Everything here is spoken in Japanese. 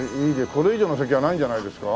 これ以上の席はないんじゃないですか。